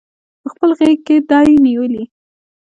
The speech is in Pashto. پخپل غیږ کې دی نیولي